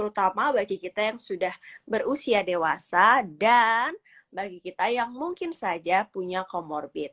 terutama bagi kita yang sudah berusia dewasa dan bagi kita yang mungkin saja punya comorbid